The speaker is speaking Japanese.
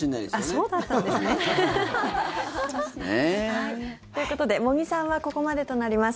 あっそうだったんですね。ということで茂木さんはここまでとなります。